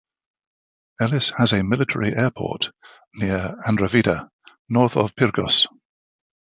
Elis has a military airport near Andravida, north of Pyrgos.